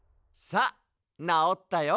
さあなおったよ。